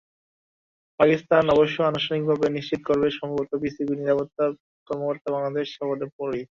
পাকিস্তান অবশ্য আনুষ্ঠানিকভাবে নিশ্চিত করবে সম্ভবত পিসিবির নিরাপত্তা কর্মকর্তার বাংলাদেশ সফরের পরই।